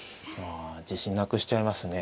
自信なくしちゃいますね。